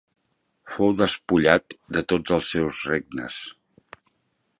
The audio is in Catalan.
Fou despullat de tots els seus regnes.